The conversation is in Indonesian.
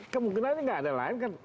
kemungkinan ini nggak ada yang lain kan